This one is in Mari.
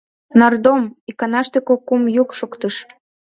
— Нардом! — иканаште кок-кум йӱк шоктыш.